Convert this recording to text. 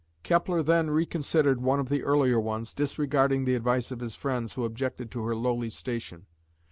Kepler then reconsidered one of the earlier ones, disregarding the advice of his friends who objected to her lowly station.